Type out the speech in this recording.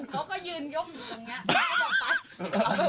เขาก็ยืนยกมืออย่างนี้